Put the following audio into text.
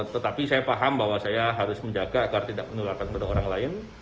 tetapi saya paham bahwa saya harus menjaga agar tidak menularkan kepada orang lain